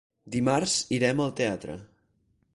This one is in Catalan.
Dimarts irem al teatre.